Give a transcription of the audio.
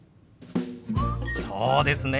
そうですね。